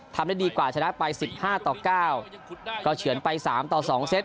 ทำได้ดีกว่าชนะไป๑๕ต่อ๙ก็เฉินไป๓ต่อ๒เซต